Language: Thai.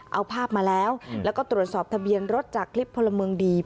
เอาภาพมาแล้วแล้วก็ตรวจสอบทะเบียนรถจากคลิปพลเมืองดี